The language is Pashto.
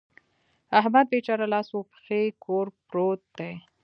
احمد بېچاره لاس و پښې کور پروت دی.